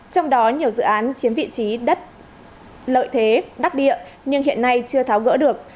trong đó nhiều dự án chiếm vị trí đất lợi thế đắc địa nhưng hiện nay chưa tháo gỡ được